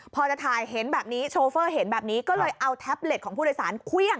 พอจะถ่ายเห็นแบบนี้โชเฟอร์เห็นแบบนี้ก็เลยเอาแท็บเล็ตของผู้โดยสารเครื่อง